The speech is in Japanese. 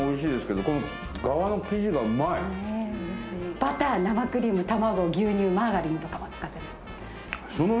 バター生クリーム卵牛乳マーガリンとかも使ってない